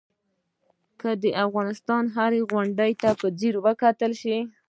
که د افغانستان هره غونډۍ په ځیر وکتل شي.